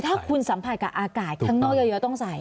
ถ้าคุณสัมผัสกับอากาศข้างนอกเยอะต้องใส่